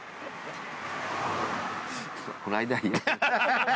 この間に。